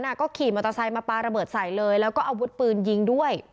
ก็ขี่มอเตอร์ไซค์มาปลาระเบิดใส่เลยแล้วก็อาวุธปืนยิงด้วย